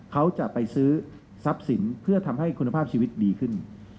เขาจะไปซื้อทรัพย์สินเพื่อทำให้คุณภาพชีวิตดีขึ้น